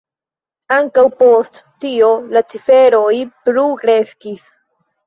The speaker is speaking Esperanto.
Ankaŭ post tio la ciferoj plu kreskis.